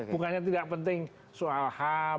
bukannya tidak penting soal ham